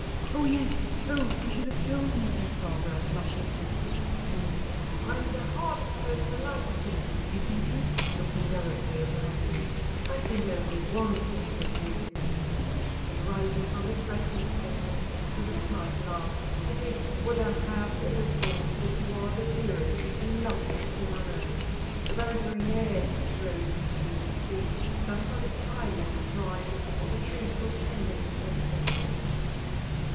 "Oh, yes. Oh, you should have told me," says Barbara, flushing as if with pain. "I am the hardest person alive, I think. You think it?" looking directly at her husband. "I think only one thing of you," says Mr. Monkton, rising from the breakfast table with a slight laugh. "It is what I have always thought, that you are the dearest and loveliest thing on earth." The bantering air he throws into this speech does not entirely deprive it of the truthful tenderness that formed it.